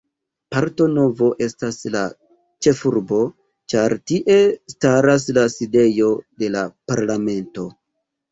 Porto Novo estas la ĉefurbo, ĉar tie staras la sidejo de la Parlamento.